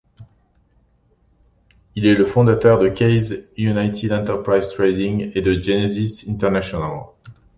Il est le fondateur de Qais United Enterprises Trading et de Genesis International.